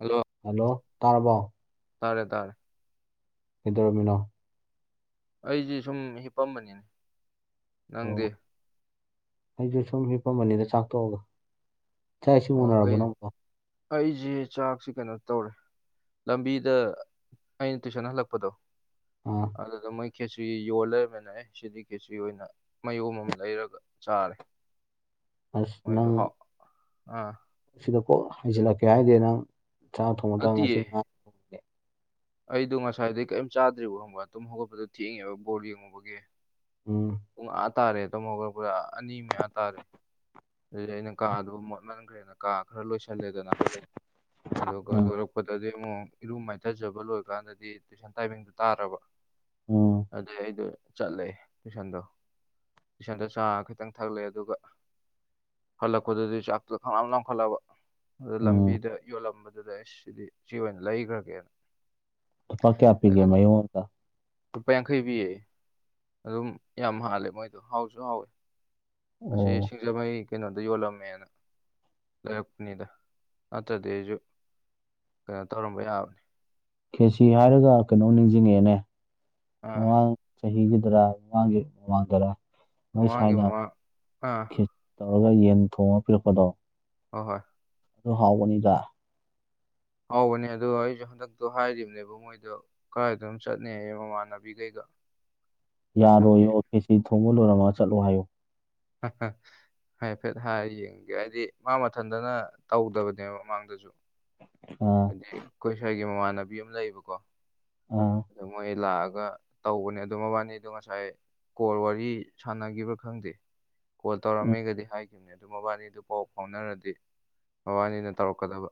Hello hello ꯇꯥꯔꯕꯣ ꯇꯥꯔꯦ ꯇꯥꯔꯦ ꯀꯩꯗꯧꯔꯝꯃꯤꯅꯣ ꯑꯩꯖꯦ ꯁꯨꯝ ꯍꯤꯞꯄꯝꯕꯅꯤꯅꯦ ꯅꯪꯗꯦ ꯑꯩꯖꯨ ꯁꯨꯝ ꯍꯤꯞꯄꯝꯕꯅꯤꯗ ꯆꯥꯛꯇꯣꯛꯑꯒ ꯑꯣ ꯀꯩ ꯑꯩꯖꯤ ꯆꯥꯛꯁꯤ ꯀꯩꯅꯣ ꯇꯧꯔꯦ ꯂꯝꯕꯤꯗ ꯑꯩꯅ ꯇꯨꯏꯁꯟ ꯍꯜꯂꯛꯄꯗꯣ ꯑꯥ ꯑꯗꯨꯗ ꯃꯣꯏ ꯈꯦꯆ꯭ꯔꯤ ꯌꯣꯜ ꯂꯩꯔꯝꯃꯦꯅ ꯑꯦ ꯁꯤꯗꯤ ꯈꯦꯆꯔꯤ ꯑꯣꯏꯅ ꯃꯌꯣꯝ ꯑꯃ ꯂꯩꯔꯒ ꯆꯥꯔꯦ ꯑꯁ ꯅꯪ ꯑ ꯁꯤꯗ ꯀꯣꯛ ꯍꯩꯖꯤꯜꯂꯛꯀꯦ ꯍꯥꯏꯗꯦ ꯅꯪ ꯆꯥꯛ ꯊꯣꯡꯕꯗ ꯉꯁꯤ ꯅꯠꯇꯤꯌꯦ ꯉꯥ ꯊꯣꯡꯉꯦ ꯑꯩꯗꯣ ꯉꯁꯥꯏꯗꯩ ꯀꯩꯏꯝ ꯆꯥꯗ꯭ꯔꯤꯕ ꯈꯪꯕ ꯇꯨꯝ ꯍꯧꯒꯠꯄꯗꯣ ꯊꯦꯡꯉꯦꯕ ꯕꯣꯜ ꯌꯦꯡꯉꯨꯕꯒꯤ ꯑꯣ ꯄꯨꯡ ꯑꯥ ꯇꯥꯔꯦ ꯇꯨꯝ ꯍꯧꯒꯠꯂꯛꯄꯗ ꯑꯅꯤ ꯃꯌꯥ ꯇꯥꯔꯦ ꯑꯗꯩꯗꯤ ꯑꯩꯅ ꯀꯥꯗꯨ ꯃꯣꯠꯃꯟꯈ꯭ꯔꯦꯅ ꯀꯥ ꯈꯔ ꯂꯣꯏꯁꯜꯂꯦꯗꯅ ꯑꯗꯨꯒ ꯎꯝ ꯂꯣꯏꯔꯛ ꯄꯗꯗꯤ ꯏꯉꯣ ꯏꯔꯨ ꯃꯥꯏꯊꯖꯕ ꯂꯣꯏ ꯀꯥꯟꯗꯗꯤ ꯇꯨꯏꯁꯟ ꯇꯥꯏꯃꯤꯡꯗꯨ ꯇꯥꯔꯕ ꯎꯝ ꯑꯗꯨꯏ ꯑꯩꯗꯣ ꯆꯠꯂꯦ ꯇꯨꯏꯁꯟꯗꯣ ꯇꯨꯏꯁꯟꯗ ꯆꯥ ꯈꯤꯇꯪ ꯊꯛꯂꯑꯦ ꯑꯗꯨꯒ ꯍꯜꯂꯛꯄꯗꯗꯤ ꯆꯥꯛꯇꯣ ꯈꯪꯂꯥꯝ ꯂꯥꯝꯈꯠꯂꯕ ꯑꯗꯨ ꯎꯝ ꯂꯝꯕꯤꯗ ꯌꯣꯜꯂꯝꯕꯗꯨꯗ ꯑꯩꯁ ꯁꯤꯗꯤ ꯁꯤ ꯑꯣꯏꯅ ꯂꯩꯈ꯭ꯔꯒꯦꯅ ꯂꯨꯄꯥ ꯀꯌꯥ ꯄꯤꯒꯦ ꯀꯩꯅꯣ ꯃꯌꯣꯝ ꯑꯝꯗ ꯂꯨꯄꯥ ꯌꯥꯡꯈꯩ ꯄꯤꯌꯦ ꯑꯗꯨꯝ ꯌꯥꯝ ꯍꯥꯜꯂꯦ ꯃꯣꯏꯗꯣ ꯍꯥꯎꯁꯨ ꯍꯥꯎꯋꯦ ꯑꯣ ꯑꯁꯤꯁꯤꯡ ꯗ ꯃꯣꯏ ꯀꯩꯅꯣꯗ ꯌꯣꯜꯂꯝꯃꯦꯅ ꯂꯩꯔꯛꯄꯅꯤꯗ ꯅꯠꯇ꯭ꯔꯗꯤ ꯑꯩꯖꯨ ꯀꯩꯅꯣ ꯇꯧꯔꯝꯕ ꯌꯥꯕꯅꯤ ꯈꯦꯆꯤ ꯍꯥꯏꯔꯒ ꯀꯩꯅꯣꯝ ꯅꯤꯡꯖꯤꯡꯉꯦꯑꯦꯅꯦ ꯑꯥ ꯃꯃꯥꯡ ꯆꯍꯤꯒꯤꯗꯔ ꯃꯃꯥꯡꯒꯤ ꯃꯃꯥꯡꯗꯔ ꯅꯣꯏ ꯃꯃꯥꯡꯒꯤ ꯁꯥꯏꯅ ꯃꯃꯥꯡ ꯑꯥ ꯈꯦ ꯇꯧꯔꯒ ꯌꯦꯟ ꯊꯣꯡꯉ ꯄꯤꯔꯛꯄꯗꯣ ꯍꯣ ꯍꯣꯏ ꯑꯗꯨ ꯍꯥꯎꯕꯅꯤꯗ ꯍꯥꯎꯕꯅꯦ ꯑꯗꯣ ꯑꯩꯖꯨ ꯍꯟꯗꯛꯇꯣ ꯍꯥꯏꯒꯤꯕꯅꯦ ꯃꯣꯏꯗꯣ ꯀꯥꯏꯗꯅꯣꯝ ꯆꯠꯅꯦꯌꯦ ꯃꯃꯥꯟꯅꯕꯤꯒꯩꯒ ꯌꯥꯔꯣꯏꯌꯣ ꯈꯦꯆꯤ ꯊꯣꯡꯕ ꯂꯣꯏꯔꯝꯃꯒ ꯆꯠꯂꯣ ꯍꯥꯏꯌꯨ ꯍꯥ ꯍꯥ ꯍꯥꯏꯐꯦꯠ ꯍꯥꯏꯔ ꯌꯦꯡꯒꯦ ꯍꯥꯏꯗꯤ ꯃꯥ ꯃꯊꯟꯗꯅ ꯇꯧꯗꯕꯅꯦꯕ ꯃꯃꯥꯡꯗꯁꯨ ꯑꯣ ꯍꯥꯏꯗꯤ ꯑꯩꯈꯣꯏ ꯁꯥꯏꯒꯤ ꯃꯃꯥꯟꯅꯕꯤ ꯑꯃ ꯂꯩꯌꯦꯕꯀꯣ ꯑꯣ ꯑꯗꯨ ꯃꯣꯏ ꯂꯥꯛꯑꯒ ꯇꯧꯕꯅꯦ ꯑꯗꯨ ꯃꯕꯥꯅꯤꯗꯣ ꯉꯁꯥꯏ ꯀꯣꯜ ꯋꯥꯔꯤ ꯁꯥꯟꯅꯒꯤꯕ꯭ꯔꯥ ꯈꯪꯗꯦ ꯀꯣꯜ ꯇꯧꯔꯝꯃꯦꯒꯗꯤ ꯍꯥꯏ ꯒꯤꯝꯅꯦ ꯑꯗꯨ ꯃꯕꯥꯅꯤꯗꯨ ꯄꯥꯎ ꯐꯥꯎꯅꯔꯗꯤ ꯃꯕꯥꯅꯤꯅ ꯇꯧꯔꯛꯀꯗꯕ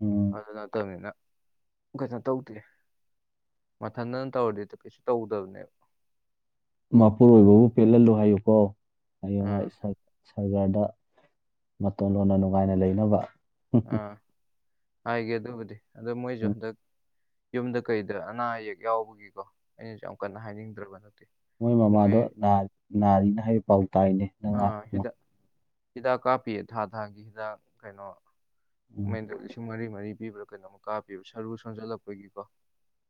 ꯎꯝ ꯑꯗꯨ ꯅꯠꯇꯕꯅꯤꯅ ꯀꯩꯅꯣ ꯇꯧꯗꯦ ꯃꯊꯟꯗꯪ ꯇꯧꯔꯗꯤ ꯀꯩꯁꯨ ꯇꯧꯗꯕꯅꯦꯕ ꯑꯗ- ꯃꯄꯨꯔꯣꯏꯕꯕꯨ ꯄꯦꯜꯍꯜꯂꯨ ꯍꯥꯏꯌꯨꯀꯣ ꯍꯡꯉꯥꯏ ꯑꯥ ꯁꯔꯀꯥꯔꯗ ꯃꯇꯣꯟ ꯂꯣꯟꯅ ꯅꯨꯡꯉꯥꯏꯅ ꯂꯩꯅꯕ ꯑꯥ ꯍꯥꯏꯒꯦ ꯑꯗꯨꯕꯨꯗꯤ ꯑꯗꯣ ꯃꯣꯏꯁꯨ ꯎꯝ ꯍꯟꯗꯛ ꯌꯨꯝꯗ ꯀꯩꯗ ꯑꯅꯥ ꯑꯌꯦꯛ ꯌꯥꯎꯕꯒꯤꯀꯣ ꯑꯩꯅꯁꯨ ꯌꯥꯝ ꯀꯟꯅ ꯍꯥꯏꯅꯤꯡꯗ꯭ꯔꯕ ꯅꯠꯇꯦ ꯃꯣꯏ ꯃꯃꯥꯗꯣ ꯅꯥꯔꯤꯅ ꯍꯥꯏꯕ ꯄꯥꯎ ꯇꯥꯏꯅꯦ ꯅꯪ ꯑꯥ ꯍꯤꯗꯥꯛ ꯃꯨꯛ꯫ ꯍꯤꯗꯥꯛ ꯀꯥꯞꯄꯤ ꯊꯥ ꯊꯥꯒꯤ ꯍꯤꯗꯥꯛ ꯀꯩꯅꯣ ꯎꯝ ꯃꯃꯦꯟꯗ ꯂꯤꯁꯤꯡ ꯃꯔꯤ ꯃꯔꯤ ꯄꯤꯕ꯭ꯔꯥ ꯀꯩꯅꯣꯝꯃ ꯀꯥ ꯄꯤꯕ ꯁꯔꯨ ꯁꯣꯟꯖꯜꯂꯛꯄꯒꯤꯀꯣ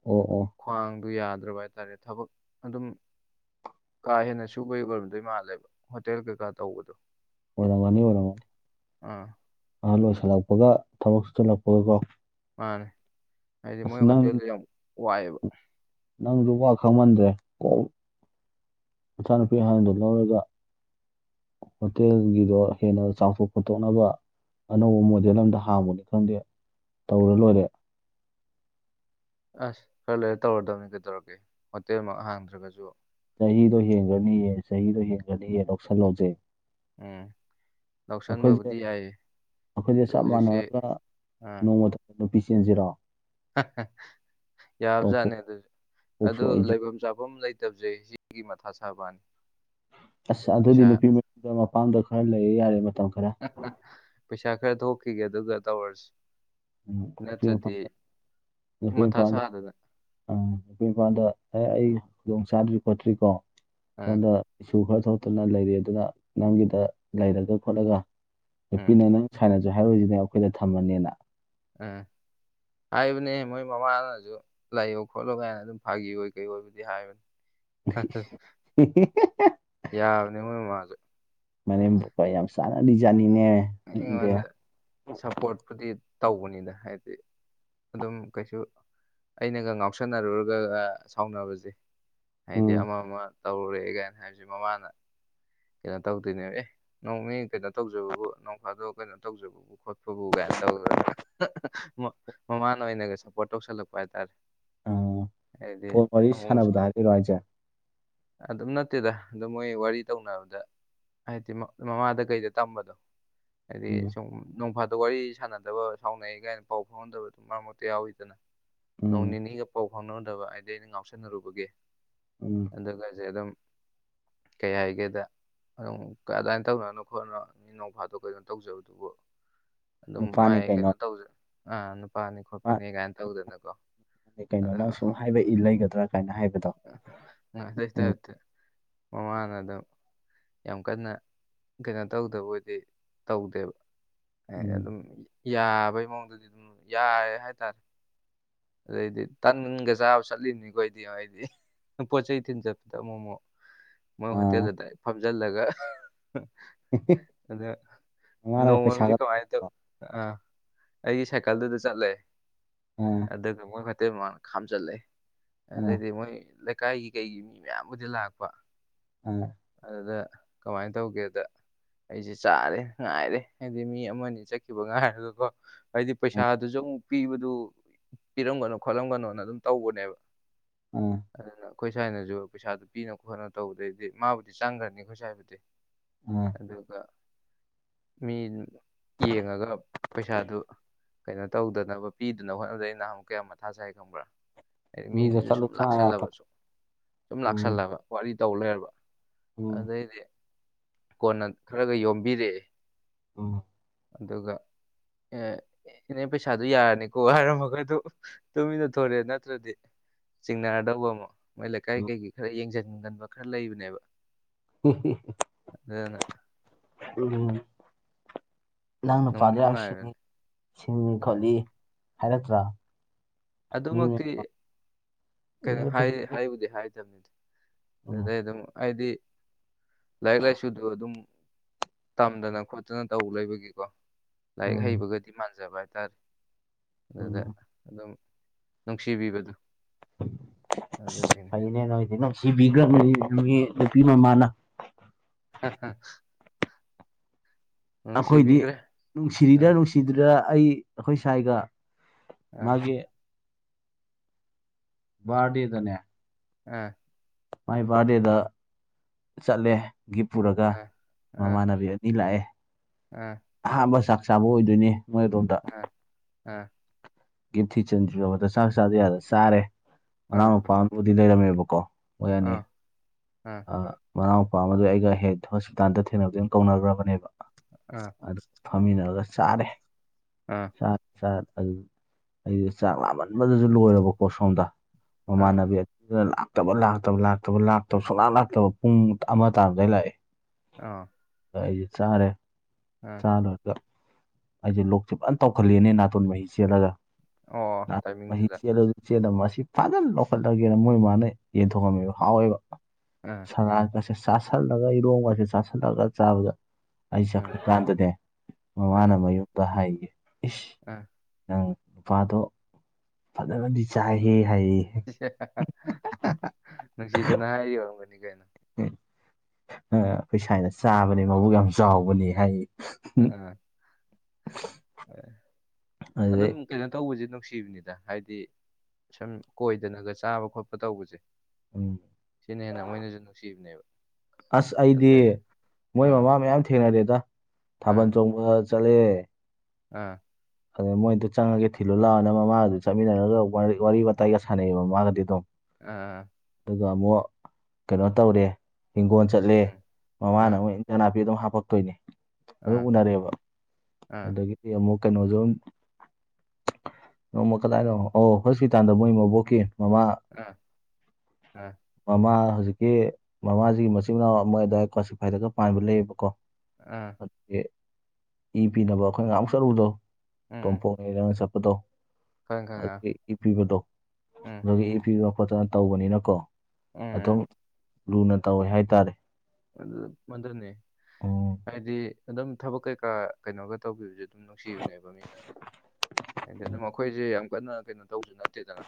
ꯑꯣ ꯑꯣ ꯈ꯭ꯋꯥꯡꯗꯨ ꯌꯥꯗ꯭ꯔꯕ ꯍꯥꯏꯇꯥꯔꯦ ꯊꯕꯛ ꯑꯗꯨꯝ ꯀꯥ ꯍꯦꯟꯅ ꯁꯨꯕꯩ ꯑꯣꯏꯔꯝꯗꯣꯏ ꯃꯥꯜꯂꯦꯕ ꯍꯣꯇꯦꯜ ꯀꯩꯀꯥ ꯇꯧꯕꯗꯣ ꯑꯣꯏꯔꯝꯒꯅꯤ ꯑꯣꯏꯔꯃ ꯑꯥ ꯑꯍꯜ ꯑꯣꯏꯁꯜꯂꯛꯄꯒ ꯊꯕꯛ ꯁꯨꯊꯜꯂꯛꯄꯒꯀꯣ ꯃꯥꯅꯦ ꯍꯥꯏꯗꯤ ꯃꯣꯏ ꯍꯣꯇꯦꯜꯗꯣ ꯌꯥꯝ ꯋꯥꯏꯑꯦꯕ ꯅꯪꯗꯨ ꯋꯥ ꯈꯪꯃꯟꯗ꯭ꯔꯦ ꯀ ꯃꯆꯥꯅꯨꯄꯤ ꯍꯥꯟꯅꯗꯨ ꯂꯧꯔꯒ ꯍꯣꯇꯦꯜꯒꯤꯗꯣ ꯍꯦꯟꯅ ꯆꯥꯎꯊꯣꯛ ꯈꯣꯇꯣꯛꯅꯕ ꯑꯅꯧꯕ ꯃꯣꯗꯦꯜ ꯑꯝꯗ ꯍꯥꯡꯕꯅꯤ ꯈꯪꯗꯦ ꯇꯧꯔ ꯂꯣꯏꯔꯦ ꯑꯁ ꯈꯔ ꯂꯩꯣꯏꯔ ꯇꯧꯔꯗꯕꯅꯤ ꯀꯩꯗꯧꯔꯒꯦ ꯍꯣꯇꯦꯜꯃꯛ ꯍꯥꯡꯗ꯭ꯔꯒꯁꯨ ꯆꯍꯤꯗꯣ ꯍꯦꯟꯒ꯭ꯔꯅꯤꯌꯦ ꯆꯍꯤꯗꯣ ꯍꯦꯟꯒ꯭ꯔꯅꯤꯌꯦ ꯂꯧꯁꯜꯂꯣꯁꯦ ꯎꯝ ꯑꯩꯈꯣꯏꯁꯦ ꯂꯧꯁꯟꯕꯕꯨꯗꯤ ꯌꯥꯏꯌꯦ ꯑꯩꯈꯣꯏꯁꯦ ꯑꯗꯣ ꯆꯞ ꯍꯧꯖꯤꯛꯁꯦ ꯃꯥꯟꯅꯔꯒ ꯑꯥ ꯅꯣꯡꯃꯗ ꯅꯨꯄꯤ ꯆꯦꯟꯁꯤꯔꯣ ꯌꯥꯕꯖꯥꯠꯅꯦ ꯇꯣꯝꯄꯣꯛꯁꯨ ꯑꯗꯨ ꯑꯗꯨ ꯑꯩꯁꯨ ꯂꯩꯐꯝ ꯆꯥꯐꯝ ꯂꯩꯇꯕꯁꯦ ꯁꯤ ꯁꯤꯒꯤ ꯃꯊꯥ ꯁꯥꯕꯋꯥꯅꯤ ꯑꯁ ꯑꯗꯨꯗꯤ ꯅꯨꯄꯤ ꯃꯌꯗ ꯃꯄꯥꯝꯗ ꯈꯔ ꯂꯩꯔ ꯌꯥꯔꯦ ꯃꯇꯝ ꯈꯔ ꯄꯩꯁꯥ ꯈꯔ ꯊꯣꯛꯈꯤꯒꯦ ꯑꯗꯨꯒ ꯇꯧꯔꯁꯤ ꯎꯝ ꯅꯨꯄꯤ ꯅꯠꯇ꯭ꯔꯗꯤ ꯃꯄꯥꯝꯗ ꯃꯊ ꯁꯥꯗꯅ ꯑꯝ ꯑꯩꯄꯤꯣꯏ ꯏꯄꯥꯟꯗ ꯑꯦ ꯑꯩ ꯈꯨꯗꯣꯡ ꯆꯥꯗ꯭ꯔꯤ ꯈꯣꯠꯇ꯭ꯔꯤꯀꯣ ꯎꯝ ꯁꯣꯝꯗ ꯏꯁꯨ ꯈꯔ ꯊꯣꯛꯇꯨꯅ ꯂꯩꯔꯤ ꯑꯗꯨꯅ ꯅꯪꯒꯤꯗ ꯂꯩꯔꯒ ꯈꯣꯠꯂꯒ ꯎꯝ ꯅꯨꯄꯤꯅ ꯅꯪ ꯁꯥꯟꯅꯁꯨ ꯍꯥꯏꯔꯨꯁꯤꯅꯦ ꯑꯩꯈꯣꯏꯗ ꯊꯝꯃꯅꯤꯅ ꯎꯝ ꯍꯥꯏꯕꯅꯦ ꯃꯣꯏ ꯃꯃꯥꯅꯁꯨ ꯂꯩꯌꯣ ꯈꯣꯠꯂꯣ ꯀꯥꯏꯅ ꯑꯗꯨꯝ ꯐꯥꯒꯤ ꯑꯣꯏ ꯀꯩ ꯑꯣꯏꯕꯕꯨꯗꯤ ꯍꯥꯏꯕꯅꯤ [unintelligible] ꯌꯥꯕꯅꯤꯅꯦ ꯃꯣꯏ ꯃꯥꯁꯦ ꯃꯅꯦꯝꯀ ꯌꯥꯝ ꯆꯥꯅ ꯗꯤꯖꯥꯠꯅꯤꯅꯦ ꯑꯩꯉꯣꯟꯗ ꯁꯞꯄꯣꯔꯠꯄꯨꯗꯤ ꯇꯧꯕꯅꯤꯅ ꯍꯥꯏꯗꯤ ꯑꯗꯨꯝ ꯀꯩꯁꯨ ꯑꯩꯅꯒ ꯉꯥꯎꯁꯟꯅꯔꯨꯔꯒꯒ ꯁꯥꯎꯅꯕꯁꯦ ꯍꯥꯏꯗꯤ ꯎꯝ ꯑꯃ ꯑꯃ ꯇꯧꯔꯨꯔꯦ ꯀꯥꯏꯅ ꯍꯥꯏꯕꯁꯦ ꯃꯃꯥꯅ ꯀꯩꯅꯣ ꯇꯧꯗꯣꯏꯅꯦꯕ ꯑꯦ ꯅꯣꯡꯅꯦ ꯀꯩꯅꯣ ꯇꯧꯖꯕꯕꯨ ꯅꯧꯈꯥꯗꯣ ꯀꯩꯅꯣ ꯇꯧꯖꯕꯕꯨ ꯈꯣꯠꯄꯕꯨ ꯀꯥꯏꯅ ꯇꯧꯗꯅ ꯃꯃꯥꯟꯅ ꯑꯣꯏ ꯑꯣꯏꯅ ꯀꯩ ꯁ ꯄꯣꯇꯣꯛꯁꯂꯛꯄꯥꯏ ꯇꯦ ꯄ ꯋꯥꯔꯤ ꯑꯃꯨꯛ ꯁꯥꯟꯕꯗ ꯍꯥꯏꯔꯛꯔꯣ ꯍꯥꯏꯁꯦ ꯑꯗꯨꯝ ꯅꯠꯇꯦꯗ ꯑꯗꯨ ꯃꯣꯏ ꯋꯥꯔꯤ ꯇꯧꯅꯕꯗ ꯍꯥꯏꯗꯤ ꯃꯃꯥꯗ ꯀꯩꯗ ꯇꯝꯕꯗꯣ ꯍꯥꯏꯗꯤ ꯎꯝ ꯁꯨꯝ ꯅꯣꯡꯐꯥꯗ ꯋꯥꯔꯤ ꯁꯥꯟꯅꯗꯕ ꯁꯥꯎꯅꯩ ꯀꯥꯏꯅ ꯄꯥꯎ ꯐꯥꯎꯍꯟꯗꯕꯗꯨ ꯃꯔꯛ ꯃꯔꯛꯇ ꯌꯥꯎꯋꯤꯗꯅ ꯅꯣꯡ ꯎꯝ ꯅꯤꯅꯤꯒ ꯄꯥꯎ ꯐꯥꯎꯅꯗꯕ ꯍꯥꯏꯗꯤ ꯑꯩꯅ ꯉꯥꯎꯁꯟꯅꯔꯨꯕꯒꯤ ꯎꯝ ꯑ ꯀꯁꯦ ꯑꯗꯨꯝ ꯀꯩ ꯍꯥꯏꯒꯦꯗ ꯑꯗꯨꯝ ꯀ ꯑꯗꯨꯃꯥꯏꯅ ꯇꯧꯅꯅꯣ ꯈꯣꯠꯅꯣ ꯃꯤ ꯅꯣꯡ ꯐꯥꯗꯣꯛ ꯀꯩꯅꯣ ꯇꯧꯖꯕꯗꯨꯕꯨ ꯑꯗꯨꯝ ꯃꯥꯏ ꯀꯩꯅꯣ ꯇꯧꯖꯩ ꯑꯥ ꯄꯅꯤ ꯈꯣꯠꯄꯅꯤ ꯀꯥꯏꯅ ꯇꯧꯗꯅꯀꯣ ꯑꯗꯩ ꯀꯩꯅꯣ ꯑꯗ ꯅꯪ ꯁꯨꯝ ꯍꯥꯏꯕ ꯏ ꯂꯩꯒꯗ꯭ꯔꯥ ꯀꯥꯏꯅ ꯍꯥꯏꯕꯗꯣ ꯑꯗ ꯎꯝ ꯍꯃꯅ ꯑꯗꯨ ꯌꯥꯝ ꯀꯟꯅ ꯀꯩꯅꯣ ꯇꯧꯗꯕꯗꯤ ꯇꯧꯗꯦꯕ ꯍꯥꯏꯗꯤ ꯎꯝ ꯑꯗꯨꯝ ꯌꯥꯕꯩ ꯃꯑꯣꯡꯗꯗꯤ ꯑꯗꯨꯝ ꯌꯥꯏ ꯍꯥꯏꯇꯥꯔꯦ ꯑꯗꯩꯗꯤ ꯇꯥꯟꯒ ꯆꯥꯕ ꯆꯠꯂꯤꯅꯤꯀꯣꯗꯤ ꯍꯥꯏꯗꯤ ꯄꯣꯠ ꯆꯩꯩ ꯊꯤꯟ ꯆꯠꯄꯗ ꯃꯣꯃꯣ ꯃꯣꯏ ꯑꯥ ꯍꯣꯇꯦꯜꯗꯨꯗ ꯐꯝꯖꯤꯜꯂꯒ ꯑꯗ ꯃꯥꯅ ꯅꯧꯃꯖꯤ ꯄꯩꯁꯥꯒ ꯀꯥꯏ ꯑꯗꯨ ꯑꯥ ꯑꯥ ꯑꯩꯒꯤ ꯁꯥꯏꯀꯜꯗꯨꯗ ꯆꯠꯂꯦ ꯑꯣꯝ ꯑꯗꯨꯒ ꯃꯣꯏ ꯐꯛꯇꯤ ꯃꯥꯅ ꯈꯥꯝꯖꯜꯂꯦ ꯑꯥ ꯑꯗꯨꯗꯩꯗꯤ ꯃꯣꯏ ꯀꯀꯥꯏꯒꯤ ꯀꯩꯒꯤ ꯃꯤ ꯃꯌꯥꯝꯕꯨꯗꯤ ꯂꯥꯛꯄ ꯎꯝ ꯑꯗꯨꯗ ꯀꯃꯥꯏꯅ ꯇꯧꯒꯦꯗ ꯑꯩꯁꯦ ꯆꯥꯔꯦ ꯉꯥꯏꯔꯦ ꯍꯥꯏꯗꯤ ꯃꯤ ꯑꯃꯅꯤ ꯆꯠꯈꯤꯕ ꯉꯥꯏꯔꯒꯀꯣ ꯍꯥꯏꯗꯤ ꯑꯥ ꯄꯩꯁꯥꯗꯨꯁꯨ ꯑꯃꯨꯛ ꯄꯤꯕꯗꯨ ꯄꯤꯔꯝꯒꯅꯨ ꯈꯣꯠꯂꯝꯒꯅꯣꯅ ꯑꯗꯨꯝ ꯇꯧꯕꯅꯦꯕ ꯎꯝ ꯑꯗꯨꯅ ꯑꯩꯈꯣꯏ ꯁ꯭ꯋꯥꯏꯅꯁꯨ ꯄꯩꯁꯥꯗꯨ ꯄꯤꯅ ꯈꯣꯠꯅ ꯇꯧꯕꯗꯩꯗꯤ ꯃꯥꯕꯨꯗꯤ ꯆꯪꯈ꯭ꯔꯅꯤ ꯑꯩꯈꯣꯏ ꯁ꯭ꯋꯥꯏꯕꯨꯗꯤ ꯑꯣ ꯑꯗꯨꯒ ꯃꯤ ꯌꯦꯡꯉꯒ ꯄꯩꯁꯥꯗꯨ ꯀꯩꯅꯣ ꯇꯧꯗꯅꯕ ꯄꯤꯗꯅꯕ ꯍꯣꯠꯅꯗ ꯑꯩ ꯅꯍꯥꯟꯨꯛ ꯀꯌꯥ ꯃꯊꯥ ꯁꯥꯏ ꯈꯪꯕ꯭ꯔꯥ ꯍꯥꯏꯗꯤ ꯃꯤꯗꯣ ꯃꯤꯗꯨꯁꯨ ꯆꯠꯂꯨ ꯁꯨꯝ ꯁꯨꯡꯌꯥ ꯌꯥꯗꯕ ꯂꯥꯛꯁꯜꯂꯕꯁꯨꯨꯝ ꯁꯨꯝ ꯎꯝ ꯂꯥꯛꯁꯜꯂꯕ ꯋꯥꯔꯤ ꯇꯧ ꯂꯩꯣꯏꯔꯕ ꯎꯝ ꯑꯗꯩꯗꯤ ꯀꯣꯟꯅ ꯈꯔꯒ ꯌꯣꯝꯕꯤꯔꯛꯑꯦ ꯑꯣ ꯑꯗꯨꯒ ꯅꯦ ꯄꯩꯁꯥꯗꯨ ꯌꯥꯔꯅꯤꯀꯣ ꯍꯥꯏꯔꯝꯃꯒꯗꯨ ꯇꯨꯃꯤꯟꯅ ꯊꯣꯔꯛꯦ ꯅꯠꯇ꯭ꯔꯗꯤ ꯆꯤꯡꯅꯔꯗꯧꯕ ꯑꯃ ꯃꯥꯏ ꯂꯩꯀꯥꯏ ꯎꯝ ꯀꯩꯒꯤ ꯈꯔ ꯌꯦꯡꯁꯤꯟꯒꯟꯕ ꯈꯔ ꯂꯩꯕꯅꯦꯕ ꯑꯗꯨꯅ ꯎꯝ ꯅꯪ ꯅꯨꯄꯥꯗ ꯅꯨꯡꯗꯤ ꯌꯥꯝ ꯁꯤꯡꯉꯤ ꯅꯨꯡꯉꯥꯏꯕꯅꯤ ꯁꯤꯡꯉ ꯎꯝ ꯈꯣꯠꯂꯤ ꯍꯥꯏꯔꯛꯇ꯭ꯔꯥ ꯃꯤ ꯑꯗꯨꯃꯛꯇꯤ ꯃꯌꯥꯝꯅ ꯀꯩꯅꯣ ꯏꯅꯦꯗ ꯄꯩꯁꯥ ꯂꯩ ꯍꯥꯏꯕꯨꯗꯤ ꯍꯥꯏꯗꯕꯅꯤꯗꯤ ꯎꯝ ꯑꯗꯨꯗꯩ ꯑꯗꯨꯝ ꯍꯥꯏꯗꯤ ꯂꯥꯏꯔꯤꯛ ꯂꯥꯏꯁꯨꯗꯣ ꯑꯗꯨꯝ ꯇꯝꯗꯅ ꯈꯣꯠꯇꯅ ꯇꯧ ꯂꯩꯕꯒꯤꯀꯣ ꯂꯥꯏꯔꯤꯛ ꯎꯝ ꯍꯩꯕꯒꯗꯤ ꯃꯥꯟꯖꯕ ꯍꯥꯏꯇꯥꯔꯦ ꯑꯗꯨꯗ ꯎꯝ ꯑꯗꯨꯝ ꯅꯨꯡꯁꯤꯕꯤꯕꯗꯨ ꯐꯩꯅꯦ ꯅꯣꯏꯗꯤ ꯅꯨꯡꯁꯤꯕꯤꯈ꯭ꯔꯕꯅꯤ ꯑꯗꯨꯒꯤ ꯅꯨꯄꯤ ꯃꯃꯥꯅ ꯑ ꯑꯩꯈꯣꯏꯗꯤ ꯅꯨꯡꯁꯤꯔꯤꯗ ꯑꯥ ꯅꯨꯡꯁꯤ ꯁꯤꯗꯨꯗ ꯑꯩ ꯑꯩꯈꯣꯏ ꯁ꯭ꯋꯥꯥꯏꯒ ꯑꯥ ꯃꯥꯒꯤ ꯕꯥꯗꯤꯗꯅꯦ ꯎ ꯃꯥꯏ ꯕꯥꯔꯗꯦꯗ ꯆꯠꯂꯦ ꯒꯤꯞ ꯄꯨꯔꯒ ꯃꯃꯥꯟꯅꯕꯤ ꯑꯗꯨ ꯃꯤ ꯂꯥꯛꯑꯦ ꯎꯥ ꯑꯍꯥꯟꯕ ꯆꯥꯛ ꯆꯥꯕ ꯑꯣꯏꯗꯣꯏꯅꯦ ꯃꯣꯏꯔꯣꯝꯇ ꯑ ꯑ ꯒꯤ ꯊꯤꯆꯟꯗ ꯆꯥꯛ ꯆꯥꯗ ꯌꯥꯗ ꯆꯥꯔꯦ ꯃꯅꯥꯎ ꯑꯥ ꯃꯄꯥꯅꯕꯨꯗꯤ ꯂꯩꯔꯝꯃꯦꯕꯀꯣ ꯑꯥ ꯑꯥ ꯃꯅꯥꯎ ꯃꯄꯥ ꯑꯃꯗꯨ ꯑꯩꯒ ꯍꯦ ꯍꯣꯁꯄꯤꯇꯥꯜꯗ ꯊꯦꯡꯅꯕꯗꯨ ꯑꯗꯨꯝ ꯀꯧꯅꯈ꯭ꯔꯕꯅꯦꯕ ꯑ ꯑꯗꯨ ꯐꯝꯃꯤꯟꯅꯔꯒ ꯆꯥꯔꯦ ꯑꯥ ꯆꯥꯛꯠ ꯆꯠ ꯑꯗꯨ ꯑꯩꯗꯤ ꯆꯥꯛ ꯂꯥꯃꯟꯕꯗꯁꯨ ꯂꯣꯏꯔꯕꯀꯣ ꯁꯣꯝꯗ ꯑꯥ ꯃꯃꯥꯟꯅꯕꯤ ꯑꯗꯨꯅ ꯂꯥꯛꯇꯕ ꯂꯥꯛꯇꯕ ꯂꯥꯛꯇꯕꯥꯛꯇꯕ ꯁꯨꯡꯅꯥ ꯂꯇꯕ ꯄꯨꯡ ꯑꯃ ꯇꯥꯔꯗꯩ ꯂꯥꯛꯑꯦ ꯑꯥ ꯑ ꯑꯩꯁꯦ ꯆꯥꯔꯦ ꯑꯥ ꯑꯅꯣꯇ ꯑꯩꯁꯦ ꯂꯣꯛꯁꯦ ꯐꯖꯅ ꯇꯧꯈꯠꯂꯦꯅꯦ ꯅꯥꯇꯣꯟ ꯃꯍꯤ ꯆꯦꯜꯂꯒ ꯑꯣ ꯃꯍꯤ ꯇꯥꯏꯃꯤꯡꯗꯨꯗ ꯆꯦꯜꯂ ꯆꯦꯗ ꯃꯁꯤ ꯐꯖꯅ ꯂꯧꯈꯠꯂꯒꯦꯅ ꯃꯣꯏ ꯃꯥꯅ ꯌꯦꯟꯊꯣꯛꯑꯝꯃꯦꯕ ꯍꯥꯎꯋꯦꯕ ꯎꯝ ꯁꯅꯥꯀꯁꯦ ꯆꯥꯁꯤꯜꯂꯒ ꯏꯔꯣꯡꯒꯁꯦ ꯆꯥꯥꯁꯜꯂꯒ ꯆꯥꯕꯗ ꯑꯩ ꯆꯠꯄ ꯎꯝ ꯀꯥꯟꯗꯅꯦ ꯃꯃꯥꯅ ꯃꯌꯨꯝꯗ ꯍꯥꯏꯒ ꯏꯁ ꯑꯥ ꯅꯪ ꯅꯨꯄꯥꯗꯣ ꯐꯖꯅꯗꯤ ꯆꯥꯏꯍꯦ ꯍꯥꯏꯌꯦ ꯍꯦꯛ ꯅꯨꯡꯁꯤꯗꯅ ꯍꯥꯏꯔꯤ ꯑꯣꯏꯔꯝꯒꯅꯤ ꯀꯩꯅꯣ ꯑ ꯄꯩꯁꯥꯅ ꯆꯥꯕꯅꯦ ꯃꯕꯨꯛ ꯌꯥꯝ ꯆꯥꯎꯕꯅꯦ ꯍꯥꯏ ꯑ ꯑꯗꯨꯝ ꯑꯗꯨꯗꯩ ꯀꯩꯅꯣ ꯇꯧꯕꯁꯦ ꯅꯨꯡꯁꯤꯕꯅꯤꯗ ꯍꯥꯏꯗꯤ ꯁꯨꯝ ꯀꯣꯏꯗꯅꯒ ꯆꯥꯕ ꯈꯣꯠꯄ ꯇꯧꯕꯁꯦ ꯎꯝ ꯁꯤꯅ ꯍꯦꯟꯅ ꯃꯣꯏꯅꯁꯨ ꯅꯨꯡꯁꯤꯕꯅꯦꯕ ꯑꯁ ꯑꯩꯗꯤ ꯑꯗ ꯃꯣꯏ ꯑꯥ ꯃꯃꯥ ꯃꯌꯥꯝ ꯊꯦꯡꯅꯔꯦꯗ ꯊꯥꯕꯜ ꯆꯣꯡꯕ ꯆꯠꯂꯦ ꯑꯥ ꯑꯗꯨꯗ ꯃꯣꯏꯗ ꯆꯪꯉꯒꯦ ꯊꯤꯜꯂꯨ ꯂꯥꯛꯑꯣꯅ ꯃꯃꯥꯗꯨ ꯑꯗꯨ ꯆꯠꯃꯤꯟꯅꯔꯒ ꯋꯥꯔꯤ ꯋꯥꯔꯤ ꯋꯥꯇꯥꯏꯒ ꯁꯥꯟꯅꯩꯌꯦꯕ ꯃꯃꯥꯒꯗꯤ ꯑꯗꯨꯝ ꯑꯥ ꯑꯗꯨꯒ ꯑꯃꯨꯛ ꯀꯩꯅꯣ ꯇꯧꯔꯦ ꯍꯤꯡꯒꯣꯜ ꯆꯠꯂꯦ ꯎꯝ ꯃꯃꯥꯅ ꯑꯥ ꯑꯃꯨꯛ ꯏ ꯅꯥꯄꯤ ꯑꯗꯨꯝ ꯍꯥꯞꯄꯛꯇꯣꯏꯅꯤ ꯑꯗꯨꯝ ꯑꯥ ꯎꯅꯔꯦꯕ ꯑꯥ ꯑꯗꯒꯤꯗꯤ ꯑꯃꯨꯛ ꯀꯩꯅꯣꯁꯨ ꯅꯣꯡꯃ ꯀꯗꯥꯏꯅꯣ ꯑꯣ ꯍꯣꯁꯄꯤꯇꯥꯜꯗ ꯃꯣꯏ ꯃꯕꯣꯛꯀꯤ ꯃꯃꯥ ꯑꯥ ꯑ ꯃꯃꯥ ꯍꯧꯖꯤꯛꯀꯤ ꯃꯃꯥꯁꯤꯒꯤ ꯃꯆꯤꯟ ꯃꯅꯥꯎ ꯑꯃ ꯑꯋꯥꯏ ꯀ꯭ꯋꯥꯁꯤꯐꯥꯏꯗꯒ ꯄꯥꯟꯕ ꯂꯩꯌꯦꯕꯀꯣ ꯑꯥ ꯑ ꯏ ꯄꯤꯅꯕ ꯑꯩꯈꯣꯏ ꯉꯝ ꯆꯠꯂꯨꯕꯗꯣ ꯎꯝ ꯎꯝ ꯇꯣꯝꯄꯣꯛꯅꯔꯪ ꯆꯠꯄꯗꯣ ꯈꯪꯉꯦ ꯈꯪꯉꯦ ꯑꯗꯨ ꯏ ꯄꯤꯕꯗꯣ ꯎꯝ ꯑꯗꯨꯒ ꯏ ꯄꯕꯣ ꯈꯣꯠꯇꯅ ꯇꯧꯕꯅꯤꯅꯀꯣ ꯎꯝ ꯑꯗꯨꯝ ꯎꯝ ꯂꯨꯅ ꯇꯧꯋꯦ ꯍꯥꯏꯇꯥꯔꯦ ꯑꯗꯨ ꯃꯗꯨꯅꯤ ꯎꯝ ꯍꯥꯏꯗꯤ ꯑꯗꯨꯝ ꯊꯕꯛ ꯀꯩꯀꯥ ꯀꯩꯅꯣꯒ ꯇꯧꯕꯤꯕꯖꯤ ꯑꯗꯨꯝ ꯅꯨꯡꯁꯤꯕꯅꯦꯕ ꯃꯤꯅ ꯍꯥꯏꯗꯤ ꯑꯗꯨꯝ ꯑꯩꯈꯣꯏꯁꯦ ꯌꯥꯝ ꯀꯟꯅ ꯀꯩꯅꯣ ꯇꯧꯁꯨ ꯅꯠꯇꯦꯗꯅ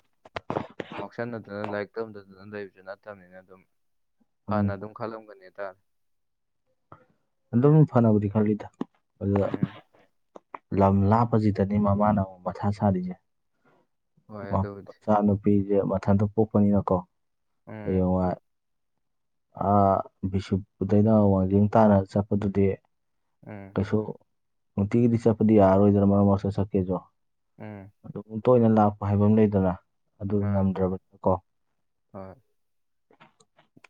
ꯇꯛꯁꯟꯅꯗꯅ ꯂꯥꯏꯔꯤꯛ ꯇꯧꯗꯗꯅ ꯂꯩꯕꯁꯨ ꯅꯠꯇꯕꯅꯤꯅ ꯑꯗꯨꯝ ꯍꯥꯟꯅ ꯎꯝ ꯑꯗꯨꯝ ꯈꯜꯂꯝꯒꯅꯤꯇꯥꯔꯦ ꯑꯟꯇ ꯐꯅꯕꯗꯤ ꯈꯜꯂꯤꯗ ꯑꯗꯨꯗ ꯎꯝ ꯂꯝ ꯂꯥꯞꯄꯁꯤꯗꯅꯤ ꯃꯃꯥꯅ ꯑꯃꯨꯛ ꯃꯊꯥ ꯁꯥꯔꯤꯁꯦ ꯍꯣꯏ ꯑꯗꯨꯕꯨꯗꯤ ꯃꯆꯥ ꯅꯨꯨꯄꯤꯁꯦ ꯃꯊꯟꯇ ꯄꯣꯛꯄꯅꯤꯅꯀꯣ ꯎꯝ ꯍꯌꯦꯡꯉꯥꯏ ꯑ ꯕꯤꯁꯨꯄꯨꯗꯩꯅ ꯋꯥꯡꯖꯤꯡ ꯇꯥꯅ ꯆꯠꯄꯗꯨꯗꯤ ꯎꯝ ꯀꯩꯁꯨ ꯅꯨꯡꯇꯤꯒꯤꯗꯤ ꯆꯠꯄꯗꯤ ꯌꯥꯔꯔꯣꯏꯗ꯭ꯔꯥ ꯃꯔꯨꯞ ꯃꯔꯨꯗ ꯆꯠꯀꯦꯗ꯭ꯔꯣ ꯎꯝ ꯑꯗꯨ ꯇꯣꯏꯅ ꯂꯥꯛꯄ ꯍꯥꯏꯕ ꯑꯃ ꯂꯩꯗꯅ ꯑꯗꯨ ꯃꯥ ꯉꯝꯗ꯭ꯔꯕꯅꯤꯅ ꯀꯣ ꯍꯣꯏ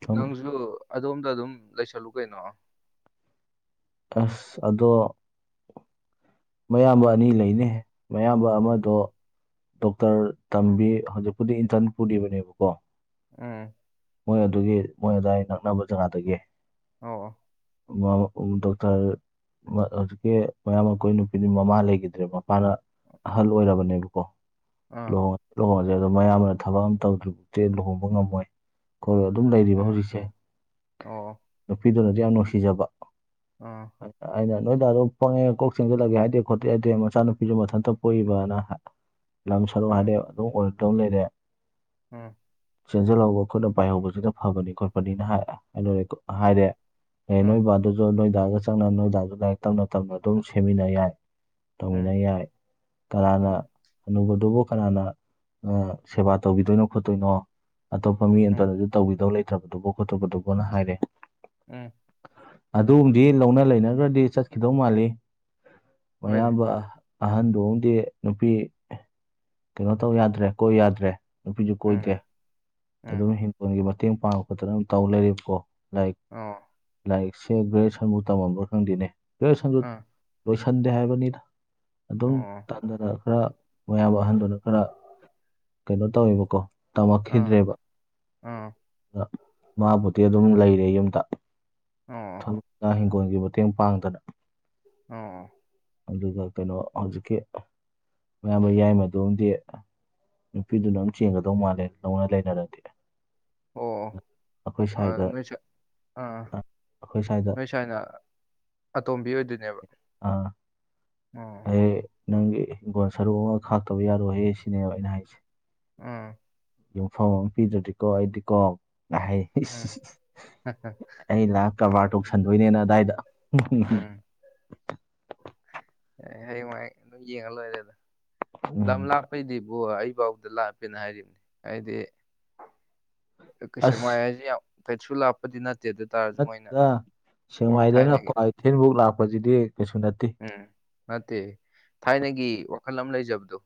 ꯁꯨꯝ ꯅꯪꯁꯨ ꯑꯗꯣꯝꯗ ꯑꯗꯨꯝ ꯂꯩꯁꯜꯂꯨ ꯀꯩꯅꯣ ꯑꯁ ꯑꯗꯣ ꯃꯌꯥꯝꯕ ꯑꯅꯤ ꯂꯩꯅꯦ ꯃꯌꯥꯝꯕ ꯎꯝ ꯑꯃꯗꯣ ꯗꯣꯛꯇꯔ ꯇꯝꯕꯤ ꯍꯧꯖꯤꯛꯄꯨꯗꯤ ꯏꯟꯇꯔꯟ ꯄꯨꯔꯤꯕꯅꯦꯕꯀꯣ ꯎꯝ ꯃꯣꯏ ꯑꯗꯨꯒꯤ ꯃꯣꯏ ꯑꯗꯨꯏ ꯅꯛꯅꯕ ꯖꯒꯥꯗꯒꯤ ꯑꯣ [unintelligible] ꯗꯣꯛꯇꯔ ꯍꯧꯖꯤꯛꯀꯤ ꯃꯌꯥꯝꯕ ꯀꯣꯏ ꯅꯨꯄꯤꯗꯤ ꯃꯃꯥ ꯂꯩꯈꯤꯗ꯭ꯔꯦ ꯃꯄꯥꯅ ꯑꯍꯜ ꯑꯣꯏꯔꯕꯅꯦꯕꯀꯣ ꯑꯥ [unintelligible] ꯑꯗꯣ ꯃꯌꯥꯝꯕꯅ ꯊꯕꯛ ꯑꯃ ꯇꯧꯗ꯭ꯔꯤꯐꯥꯎꯛꯇꯦ ꯂꯨꯍꯣꯡꯕ ꯉꯝꯃꯣꯏ ꯈꯣꯏ ꯑꯗꯨꯝ ꯂꯩꯔꯤꯕ ꯎꯝ ꯍꯧꯖꯤꯛꯁꯦ ꯑꯣ ꯅꯨꯄꯤꯗꯨꯅꯗꯤ ꯌꯥꯝ ꯅꯨꯡꯁꯤꯖꯕ ꯑꯥ ꯑꯩꯅ ꯅꯣꯏ ꯗꯥꯗꯣ ꯄꯪꯉꯦ ꯀꯣꯛ ꯆꯪꯁꯤꯜꯂꯒꯦ ꯍꯥꯏꯗꯦ ꯈꯣꯠꯇꯦ ꯌꯥꯗꯦ ꯃꯆꯥꯅꯨꯄꯤꯁꯨ ꯃꯊꯟꯇ ꯄꯣꯛꯏꯕꯅ ꯂꯝ ꯁꯔꯨ ꯎꯝ ꯍꯥꯏꯗꯤ ꯑꯗꯨꯝ ꯑꯣꯏꯔꯛꯇꯧ ꯂꯩꯔꯦ ꯎꯝ ꯆꯦꯟꯁꯤꯜꯍꯧꯕ ꯈꯨꯠꯅ ꯄꯥꯏꯍꯧꯕꯁꯤꯅ ꯐꯕꯅꯤ ꯈꯣꯠꯄꯅꯤꯅ ꯍꯥꯏꯔꯦ [unintelligible] ꯑꯦ ꯅꯣꯏ ꯎꯝ ꯕꯥꯗꯨꯁꯨ ꯅꯣꯏ ꯗꯥꯒ ꯆꯪꯅ ꯅꯣꯏꯗꯥꯁꯨ ꯂꯥꯏꯔꯤꯛ ꯇꯞꯅ ꯇꯞꯅ ꯑꯗꯨꯝ ꯁꯦꯝꯃꯤꯟꯅ ꯌꯥꯏ ꯇꯧꯃꯤꯟꯅ ꯎꯝ ꯌꯥꯏ ꯀꯅꯥꯅ ꯎꯝ ꯑꯅꯨꯕꯗꯨꯕꯨ ꯀꯅꯥꯅ ꯁꯦꯕꯥ ꯇꯧꯕꯤꯗꯣꯏꯅꯣ ꯈꯣꯠꯇꯣꯏꯅꯣ ꯑꯇꯣꯞꯄ ꯃꯤ ꯑꯟꯇꯗ ꯎꯝ ꯇꯧꯕꯤꯗꯧ ꯂꯩꯇ꯭ꯔꯕꯗꯨꯕ ꯈꯣꯠꯇꯕꯗꯨꯕꯨꯅ ꯍꯥꯏꯔꯦ ꯎꯝ ꯑꯗꯨꯒꯝꯗꯤ ꯂꯧꯅ ꯂꯩꯅꯒ꯭ꯔꯗꯤ ꯆꯠꯈꯤꯗꯧ ꯃꯥꯜꯂꯤ ꯍꯣꯏꯅꯦ ꯃꯌꯥꯝꯕ ꯑꯍꯟꯗꯨꯗꯤ ꯅꯨꯄꯤ ꯀꯩꯅꯣ ꯇꯧ ꯌꯥꯗ꯭ꯔꯦ ꯀꯣꯏ ꯌꯥꯗ꯭ꯔꯦ ꯅꯨꯄꯤꯁꯨ ꯀꯣꯏꯗꯦ ꯎꯝ ꯎꯝ ꯑꯗꯨꯝ ꯍꯤꯡꯈꯣꯜꯒꯤ ꯃꯇꯦꯡ ꯄꯥꯡꯉꯛꯄꯗꯅ ꯑꯗꯨꯝ ꯇꯧ ꯂꯩꯔꯤꯕꯀꯣ ꯂꯥꯏꯔꯤꯛ ꯑꯥ ꯂꯥꯏꯔꯤꯛꯁꯦ ꯒ꯭ꯔꯦꯖꯨꯌꯦꯁꯟꯕꯨꯥꯎ ꯇꯃꯝꯕ꯭ꯔ ꯈꯪꯗꯦꯅꯦ ꯒ꯭ꯔꯦꯖꯨꯑꯁꯟꯗꯨ ꯑꯥ ꯂꯣꯏꯁꯟꯗꯦ ꯍꯥꯏꯕꯅꯤꯗ ꯑꯗꯨꯝ ꯑꯣ [unintelligible] ꯈꯔ ꯃꯌꯥꯝꯕ ꯑꯍꯟꯗꯨꯅ ꯈꯔ ꯀꯩꯅꯣ ꯇꯧꯋꯦꯕꯀꯣ ꯑꯥ ꯇꯝꯃꯛꯈꯤꯗ꯭ꯔꯦꯕ ꯑꯥ ꯑ ꯃꯥꯕꯨꯗꯤ ꯑꯗꯨꯝ ꯂꯩꯔꯦ ꯌꯨꯝꯗ ꯑꯣ ꯐꯣꯟꯒꯤ ꯃꯇꯦꯡ ꯄꯥꯡꯗꯅ ꯑꯣ ꯑꯗꯨꯒ ꯀꯩꯅꯣ ꯍꯧꯖꯤꯛꯀꯤ ꯃꯌꯥꯝꯕ ꯌꯥꯏꯃ ꯗꯨꯝꯗꯤ ꯅꯨꯄꯤꯗꯨꯅ ꯑꯃꯝ ꯆꯦꯟꯒꯗꯧ ꯃꯥꯜꯂꯦ ꯅꯧꯅ ꯂꯩꯅꯔꯗꯤ ꯑꯩꯈꯣꯏ ꯑꯣ [unintelligible] ꯑꯈꯣꯏ ꯁꯥꯏꯗ ꯅꯣꯏ ꯁꯥꯏꯅ ꯑꯇꯣꯝꯕꯤ ꯑꯣꯏꯗꯣꯏꯅꯦꯕ ꯑꯥ ꯑꯣ ꯑꯩ ꯅꯪꯒꯤ ꯍꯤꯡꯒꯣꯜ ꯁꯔꯨꯛ ꯑꯃ ꯈꯥꯛꯇꯕ ꯌꯥꯔꯣꯏꯍꯦ ꯁꯤꯅꯦꯕ ꯑꯩꯅ ꯍꯥꯏꯁꯦ ꯎꯝ ꯌꯨꯝꯐꯝ ꯑꯃ ꯄꯤꯗꯨꯗꯤꯀꯣ ꯑꯩꯗꯤꯀꯣ ꯎꯝ [unintelligible] ꯑꯩ ꯂꯥꯛ ꯀꯔꯕꯥꯔ ꯇꯧꯁꯟꯗꯣꯏꯅꯦꯅ ꯑꯗꯥꯏꯗ ꯎꯝ ꯑꯦ ꯍꯌꯦꯋꯥꯏ ꯑꯗꯨ ꯌꯦꯡꯉ ꯂꯣꯏꯔꯦꯗ ꯂꯝ ꯎꯝ ꯂꯥꯞ ꯑꯩꯈꯣꯏꯗꯤꯕꯨ ꯑꯩ ꯐꯥꯎꯗ ꯂꯥꯞꯄꯦꯅ ꯍꯥꯏꯔꯤꯕꯅꯤ ꯍꯥꯏꯗꯤ ꯀꯩꯁꯛ ꯑꯁ ꯃꯥꯏ ꯍꯥꯏꯁꯦ ꯀꯩꯁꯨ ꯂꯥꯞꯄꯗꯤ ꯅꯠꯇꯦ ꯑꯗꯨ ꯇ ꯅꯠꯇ ꯁꯦꯡꯃꯥꯏꯗꯅ ꯀ꯭ꯋꯥ ꯏꯊꯦꯟꯐꯧ ꯂꯥꯛꯄꯁꯤꯗꯤ ꯀꯩꯁꯨ ꯅꯠꯇꯦ ꯎꯝ ꯅꯠꯇꯦ ꯊꯥꯏꯅꯒꯤ ꯋꯥꯈꯜ ꯑꯃ ꯂꯩꯖꯕꯗꯣ